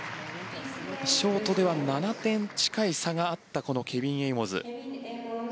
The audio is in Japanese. ショートでは７点近い差があったケビン・エイモズ。